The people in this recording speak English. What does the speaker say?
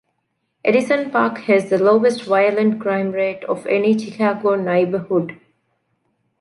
Edison Park has the lowest violent crime rate of any Chicago neighborhood.